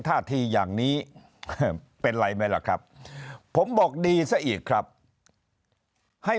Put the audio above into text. ท่าทีอย่างนี้เป็นไรไหมล่ะครับผมบอกดีซะอีกครับให้